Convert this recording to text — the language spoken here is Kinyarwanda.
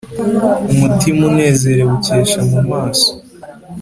umutima unezerewe ukesha mu maso,